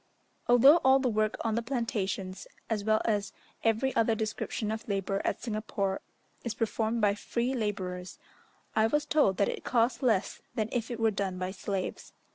Although all the work on the plantations, as well as every other description of labour at Singapore, is performed by free labourers, I was told that it cost less than if it were done by slaves.